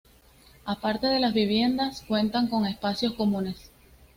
Aparte de las viviendas, cuentan con espacios comunes.